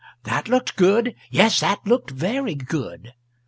That looked good. Yes, that looked very good.